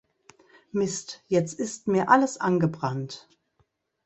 Mist, jetzt ist mir alles angebrannt.